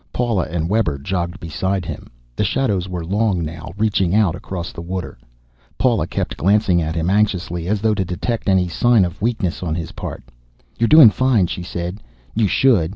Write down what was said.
Paula and Webber jogged beside him. The shadows were long now, reaching out across the water. Paula kept glancing at him anxiously, as though to detect any sign of weakness on his part. "You're doing fine," she said. "You should.